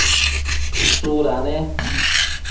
tsuda ne?